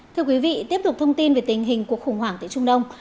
thưa quý vị tiếp tục thông tin về tình hình cuộc khủng hoảng tại trung đông